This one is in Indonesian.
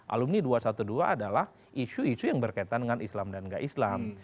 alumni dua ratus dua belas adalah isu isu yang berkaitan dengan islam dan gak islam